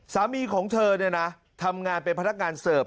สามีของเธอทำงานเป็นพนักงานเสิร์ฟ